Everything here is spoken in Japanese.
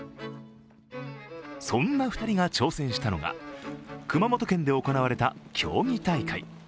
そんな２人が挑戦したのが熊本県で行われた競技大会。